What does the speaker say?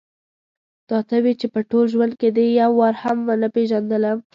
دا ته وې چې په ټول ژوند کې دې یو وار هم ونه پېژندلم.